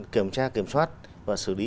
kiểm tra kiểm soát và xử lý